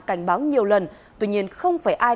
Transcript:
cảnh báo nhiều lần tuy nhiên không phải ai